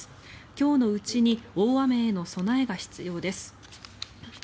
今日のうちに大雨への備えが必要です。